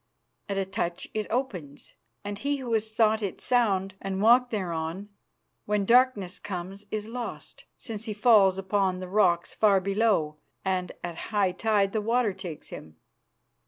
At a touch it opens, and he who has thought it sound and walked thereon, when darkness comes is lost, since he falls upon the rocks far below, and at high tide the water takes him."